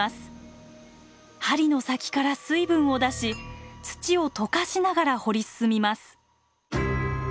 針の先から水分を出し土を溶かしながら掘り進みます。